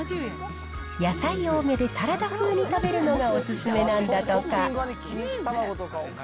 野菜多めでサラダ風に食べるのがお勧めなんだとか。